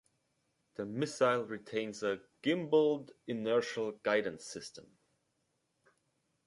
The missile retains a gimballed inertial guidance system.